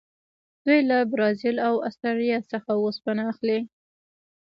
دوی له برازیل او اسټرالیا څخه اوسپنه اخلي.